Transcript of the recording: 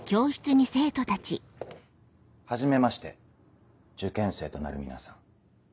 はじめまして受験生となる皆さん。